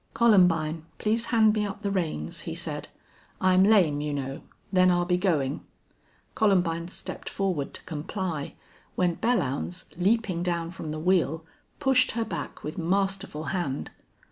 "Columbine, please hand me up the reins," he said. "I'm lame, you know. Then I'll be going." Columbine stepped forward to comply, when Belllounds, leaping down from the wheel, pushed her hack with masterful hand.